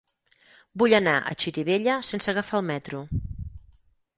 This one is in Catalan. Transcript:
Vull anar a Xirivella sense agafar el metro.